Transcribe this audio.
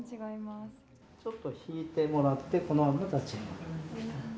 ちょっと引いてもらって、このまま立ち上がる。